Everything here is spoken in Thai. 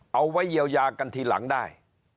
เอาไว้เยียวยากันทีหลังได้